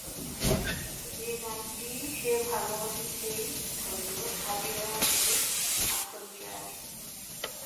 যে গানটি সে ভালোবাসে সেই ধরল, ঠাড়ি রহো মেরে আঁখনকে আগে।